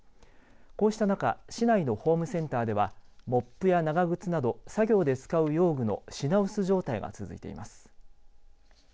こうした中、市内のホームセンターではモップや長靴など作業で使う用具の品薄状態が続いています。